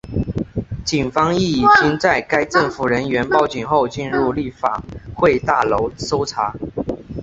警方亦已经在该政府人员报警后进入立法会大楼搜查。